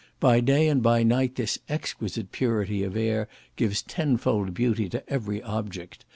By day and by night this exquisite purity of air gives tenfold beauty to every object.